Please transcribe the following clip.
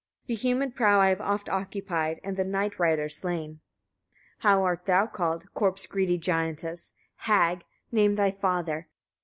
The humid prow I have oft occupied, and the night riders slain. 16. How art thou called? corpse greedy giantess! hag! name thy father.